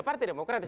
partai demokrat siap